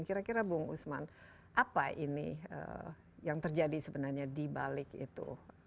kira kira bung usman apa ini yang terjadi sebenarnya dibalik itu